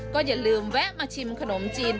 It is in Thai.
ก็อย่าลืมแวะมาชิมขนมจีน